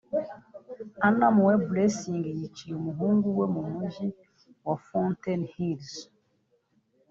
Anna Mae Blessing yiciye umuhungu we mu mujyi wa Fountain Hills